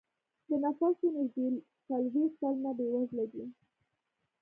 د نفوسو نږدې څلوېښت سلنه بېوزله دی.